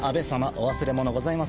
お忘れ物ございません